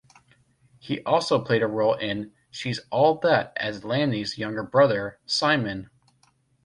He also played a role in "She's All That" as Laney's younger brother, Simon.